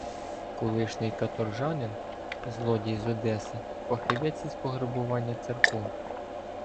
Колишній каторжанин, злодій з Одеси, фахівець із пограбування церков.